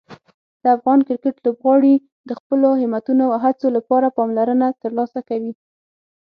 د افغان کرکټ لوبغاړي د خپلو همتونو او هڅو لپاره پاملرنه ترلاسه کوي.